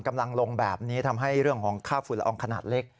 กำลังลงแบบนี้ทำให้เรื่องของค่าฝุ่นละอองขนาดเล็ก